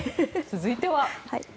続いては。